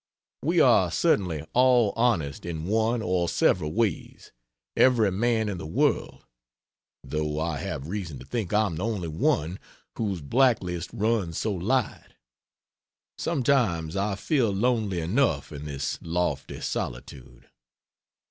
We are certainly all honest in one or several ways every man in the world though I have reason to think I am the only one whose black list runs so light. Sometimes I feel lonely enough in this lofty solitude.